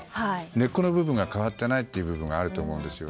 根っこの部分が変わってないというのがあると思うんですよ。